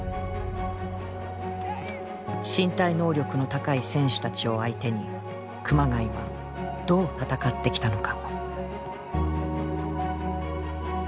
身体能力の高い選手たちを相手に熊谷はどう戦ってきたのか。